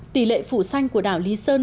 tỷ lệ phủ xanh của đảo lý sơn